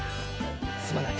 すまない。